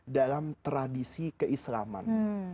dalam tradisi keislaman